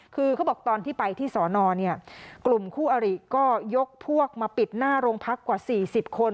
คือเขาบอกตอนที่ไปที่สอนอเนี่ยกลุ่มคู่อริก็ยกพวกมาปิดหน้าโรงพักกว่า๔๐คน